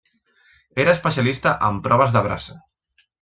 Era especialista en proves de braça.